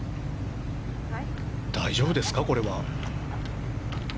大丈夫ですか、これは。